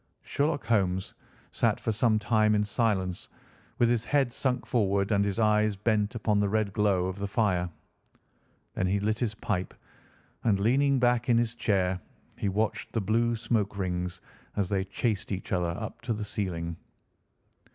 Sherlock Holmes sat for some time in silence, with his head sunk forward and his eyes bent upon the red glow of the fire. Then he lit his pipe, and leaning back in his chair he watched the blue smoke rings as they chased each other up to the ceiling.